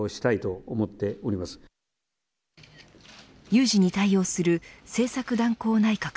有事に対応する政策断行内閣。